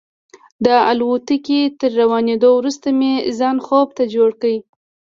د الوتکې تر روانېدو وروسته مې ځان خوب ته جوړ کړ.